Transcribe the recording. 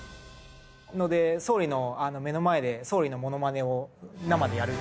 総理の目の前で総理のモノマネを生でやるっていう。